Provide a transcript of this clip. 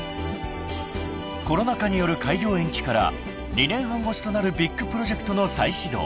［コロナ禍による開業延期から２年半越しとなるビッグプロジェクトの再始動］